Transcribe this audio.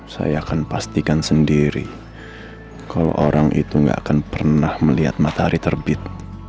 saya akan pastikan sendiri kalau orang itu gak akan pernah melihat matahari terbit